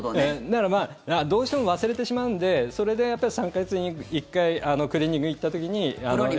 だからどうしても忘れてしまうのでそれで３か月に１回クリーニングに行った時に。